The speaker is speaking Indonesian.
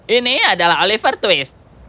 ini adalah oliver twist